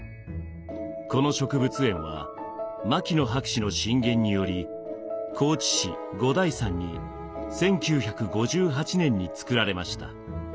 この植物園は牧野博士の進言により高知市五台山に１９５８年に造られました。